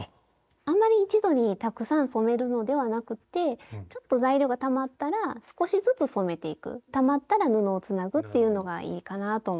あまり一度にたくさん染めるのではなくてちょっと材料がたまったら少しずつ染めていくたまったら布をつなぐっていうのがいいかなと思います。